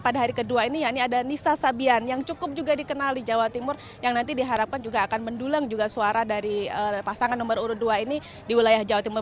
pada hari kedua ini ya ini ada nisa sabian yang cukup juga dikenal di jawa timur yang nanti diharapkan juga akan mendulang juga suara dari pasangan nomor urut dua ini di wilayah jawa timur